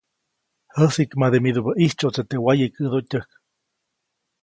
Jäsiʼkmade midubäʼ ʼitsyoʼtseʼ teʼ wayekäʼdotyäjk.